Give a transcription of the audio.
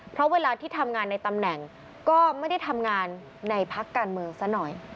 เพราะเวลาที่ทำงานในตำแหน่งก็ไม่ได้ทำงานในพักการเมืองซะหน่อย